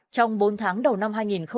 trong bốn tháng đầu năm hai nghìn hai mươi